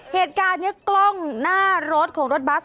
เหตุการณ์นี้กล้องหน้ารถของรถบัส